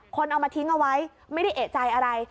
คนเอามาทิ้งเอาไว้ไม่ได้เอกใจอะไร